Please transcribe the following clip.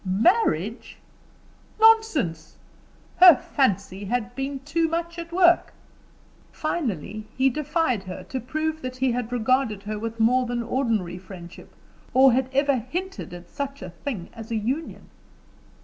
Marriage? Nonsense! Her fancy had been too much at work." Finally, he defied her to prove that he had regarded her with more than ordinary friendship, or had ever hinted at such a thing as a union.